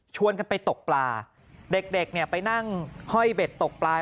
ชวนกันไปตกปลาเด็กไปนั่งห้อยเบ็ดตกปลา